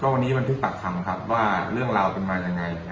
วันนี้มันถือปากคำเรื่องราวเป็นยังไง